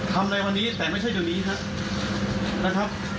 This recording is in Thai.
ทำอะไรวันนี้แถมไม่ใช่วันนี้นะครับ